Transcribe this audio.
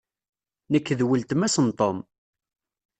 Nekk d weltma-s n Tom.